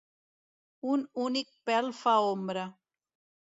Un únic pel fa ombra.